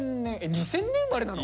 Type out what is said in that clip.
２０００年生まれなの？